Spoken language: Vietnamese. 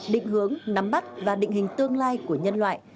định hướng nắm bắt và định hình tương lai của nhân loại